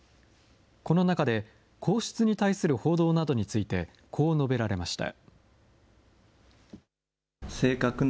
この中で、皇室に対する報道などについて、こう述べられました。